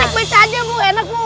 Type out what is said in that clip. ini menik beca aja bu enak bu